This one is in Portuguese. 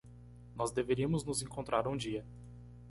Nós deveríamos nos encontrar um dia.